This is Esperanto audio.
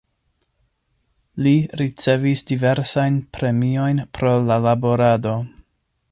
Li ricevis diversajn premiojn pro la laborado.